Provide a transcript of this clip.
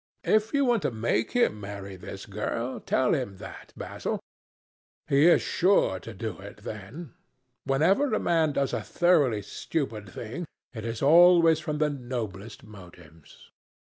"If you want to make him marry this girl, tell him that, Basil. He is sure to do it, then. Whenever a man does a thoroughly stupid thing, it is always from the noblest motives."